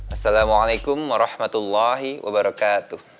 assalamualaikum warahmatullahi wabarakatuh